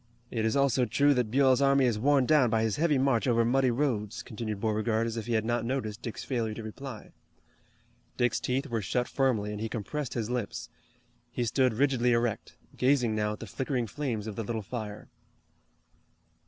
"It is also true that Buell's army is worn down by his heavy march over muddy roads," continued Beauregard as if he had not noticed Dick's failure to reply. Dick's teeth were shut firmly, and he compressed his lips. He stood rigidly erect, gazing now at the flickering flames of the little fire.